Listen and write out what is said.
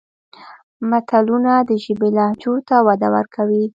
متلونه د ژبې لهجو ته وده ورکوي